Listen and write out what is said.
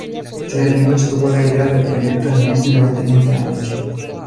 Claire Denis tuvo la idea del proyecto en mente durante quince años.